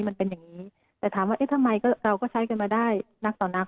มันเป็นอย่างนี้แต่ถามว่าเอ๊ะทำไมเราก็ใช้กันมาได้นักต่อนัก